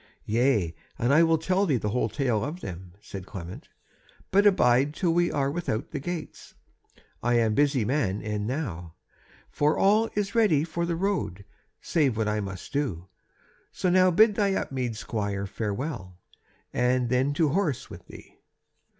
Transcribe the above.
"Yea, and I will tell thee the whole tale of them," said Clement, "but abide till we are without the gates; I am busy man e'en now, for all is ready for the road, save what I must do. So now bid thy Upmeads squire farewell, and then to horse with thee!"